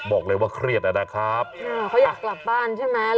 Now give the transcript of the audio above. บอกเลยว่าเครียดนะครับเขาอยากกลับบ้านใช่ไหม